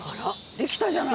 できたじゃない。